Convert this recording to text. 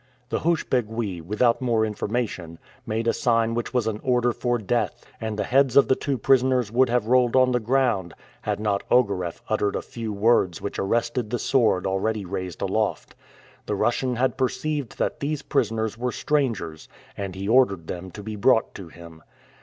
The housch begui, without more information, made a sign which was an order for death, and the heads of the two prisoners would have rolled on the ground had not Ogareff uttered a few words which arrested the sword already raised aloft. The Russian had perceived that these prisoners were strangers, and he ordered them to be brought to him.